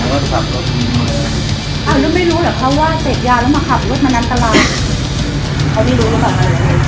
ก็อาจจะก่อนผมแรก